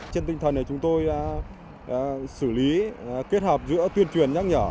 trên tinh thần chúng tôi xử lý kết hợp giữa tuyên truyền nhắc nhở